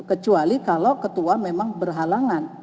kecuali kalau ketua memang berhalangan